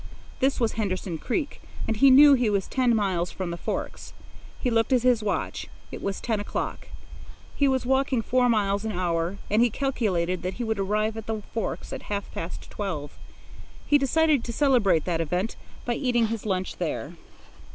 This was Henderson Creek, and he knew he was ten miles from the forks. He looked at his watch. It was ten o'clock. He was making four miles an hour, and he calculated that he would arrive at the forks at half past twelve. He decided to celebrate that event by eating his lunch there.